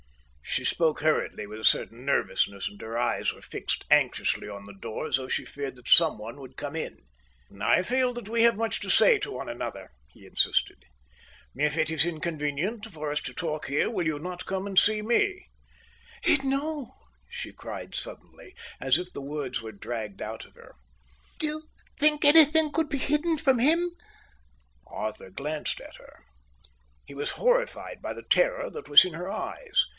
She spoke hurriedly, with a certain nervousness, and her eyes were fixed anxiously on the door as though she feared that someone would come in. "I feel that we have much to say to one another," he insisted. "If it is inconvenient for us to talk here, will you not come and see me?" "He'd know," she cried suddenly, as if the words were dragged out of her. "D'you think anything can be hidden from him?" Arthur glanced at her. He was horrified by the terror that was in her eyes.